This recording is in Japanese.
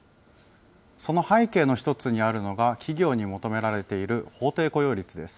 その背景の一つにあるのが企業に求められている法定雇用率です。